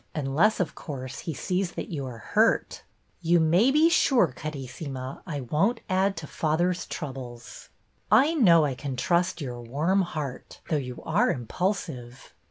Unless, of course, he sees that you are hurt." " You may be sure, Carissima, I won't add to father's troubles." " I know I can trust your warm heart, though you are impulsive."